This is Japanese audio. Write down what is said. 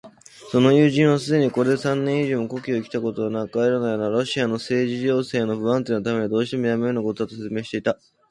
その友人はすでにこれで三年以上も故郷へきたことはなく、帰らないのはロシアの政治情勢の不安定のためにどうしてもやむをえぬことだ、と説明していた。